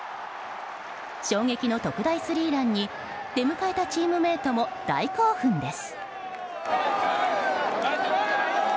衝撃の特大スリーランに出迎えたチームメートも大興奮です。